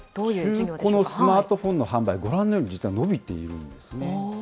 中古のスマートフォンの販売、ご覧のように、実は伸びているんですね。